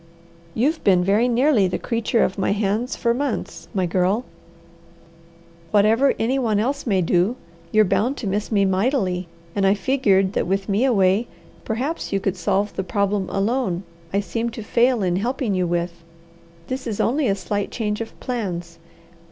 You've been very nearly the creature of my hands for months, my girl; whatever any one else may do, you're bound to miss me mightily, and I figured that with me away, perhaps you could solve the problem alone I seem to fail in helping you with. This is only a slight change of plans.